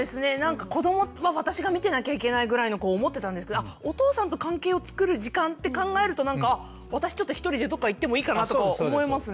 子どもは私が見てなきゃいけないぐらいに思ってたんですけどお父さんと関係を作る時間って考えるとなんか私ちょっと一人でどっか行ってもいいかなと思えますね。